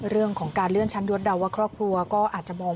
เรื่องของการเลื่อนชั้นยศเดาว่าครอบครัวก็อาจจะมอง